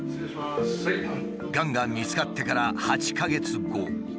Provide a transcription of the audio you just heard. がんが見つかってから８か月後。